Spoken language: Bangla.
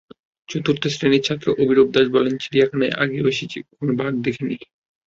চতুর্থ শ্রেণির ছাত্র অভিরূপ দাশ বলে, চিড়িয়াখানায় আগেও এসেছি, কখনো বাঘ দেখিনি।